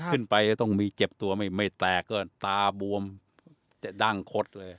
จะต้องมีเจ็บตัวไม่แตกก็ตาบวมจะดั้งคดเลย